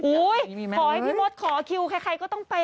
ขอให้พี่มดขอคิวใครก็ต้องไป